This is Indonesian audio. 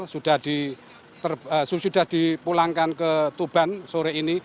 sudah dipulangkan ke tuban sore ini